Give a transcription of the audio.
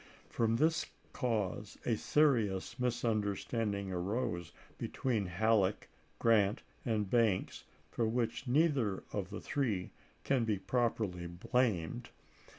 From this cause a serious misunder standing arose between Halleck, Grant, and Banks, for which neither of the three can be properly 316 ABRAHAM LINCOLN chap. xi. blamed.